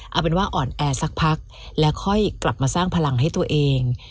เอาเป็นว่าอ่อนแอสักพักและค่อยกลับมาสร้างพลังให้ตัวเอง